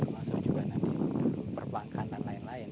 masuk juga nanti perbankan dan lain lain